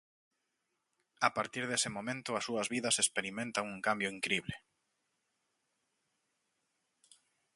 A partir dese momento as súas vidas experimentan un cambio incrible.